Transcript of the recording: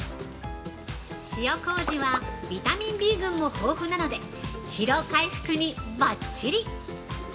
◆塩こうじは、ビタミンＢ群も豊富なので、疲労回復にばっちり！